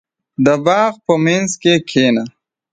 • د باغ په منځ کې کښېنه.